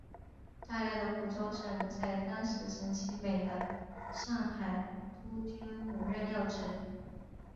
大量的湖州商人在当时陈其美的上海督军府任要职。